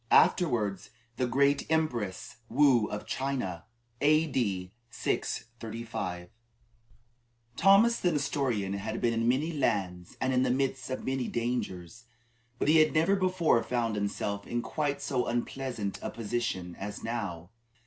(Afterwards the Great Empress Woo of China.) A.D. 635. Thomas the Nestorian had been in many lands and in the midst of many dangers, but he had never before found himself in quite so unpleasant a position as now.